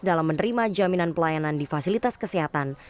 dalam menerima jaminan pelayanan di fasilitas kesehatan